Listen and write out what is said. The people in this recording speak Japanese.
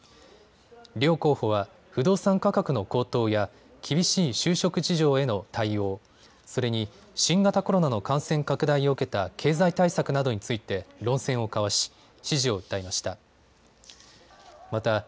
両候補は不動産価格の高騰や厳しい就職事情への対応、それに新型コロナの感染拡大を受けた経済対策などについて論戦を交わし、支持を訴えました。